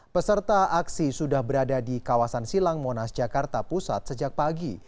peserta aksi sudah berada di kawasan silang monas jakarta pusat sejak pagi